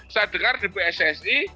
saya dengar di pssi